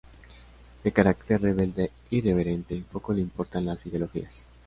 De carácter rebelde e irreverente, poco le importan las ideologías.